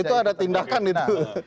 itu ada tindakan itu